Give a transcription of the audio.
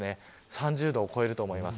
３０度を超えると思います。